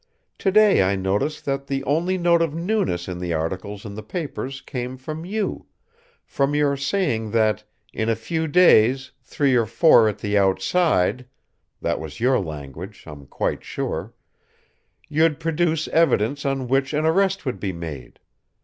Today I noticed that the only note of newness in the articles in the papers came from you from your saying that 'in a few days, three or four at the outside' that was your language, I'm quite sure you'd produce evidence on which an arrest would be made.